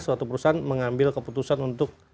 suatu perusahaan mengambil keputusan untuk